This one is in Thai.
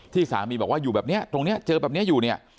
ที่สามีบอกว่าอยู่แบบนี้ตรงนี้เจอแบบนี้อยู่เนี่ย